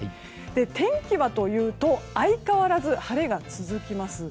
天気はというと相変わらず晴れが続きます。